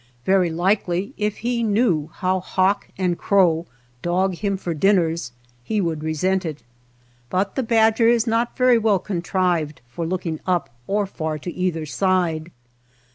Very likely if he knew how hawk and crow dog him for dinners, he would resent it. But the badger is not very well contrived for looking up or far to either side.